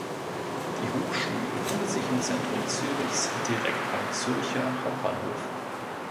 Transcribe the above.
Die Hochschule befindet sich im Zentrum Zürichs direkt beim Zürcher Hauptbahnhof.